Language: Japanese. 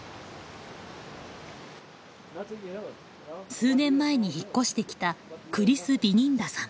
数年前に引っ越してきたクリス・ビニンダさん。